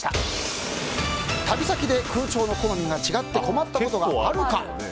旅先で空調の好みが違って困ったことがあるか。